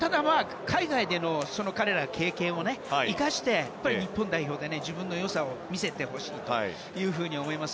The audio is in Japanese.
海外での経験を生かして日本代表で、自分の良さを見せてほしいと思います。